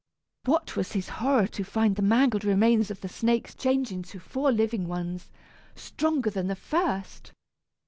What was his horror to find the mangled remains of the snakes change into four living ones, stronger than the first.